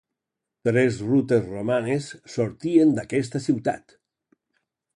Tres rutes romanes sortien d'aquesta ciutat.